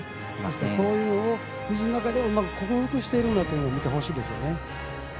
そういうことを水の中で克服しているんだというのを見てほしいですよね。